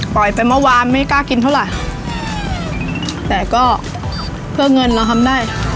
ไปเมื่อวานไม่กล้ากินเท่าไหร่แต่ก็เพื่อเงินเราทำได้